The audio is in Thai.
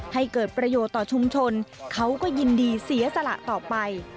ให้เกิดประโยชน์ต่อชุมชนเขาก็ยินดีเสียสละต่อไป